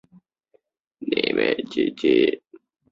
萨伏伊别墅是一个著名的代表作。